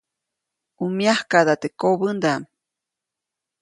ʼU myakaʼda teʼ kobäʼndaʼm.